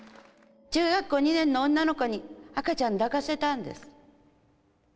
中学校２年の女の子に赤ちゃん抱かせたんです。